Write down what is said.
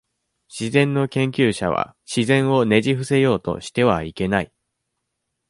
自然の研究者は、自然をねじ伏せようとしてはいけない。